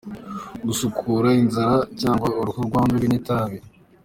Gusukura inzara cyangwa uruhu byandujwe n’itabi.